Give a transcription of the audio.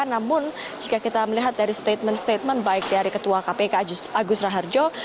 namun jika kita melihat dari statement statement baik dari ketua kpk agus raharjo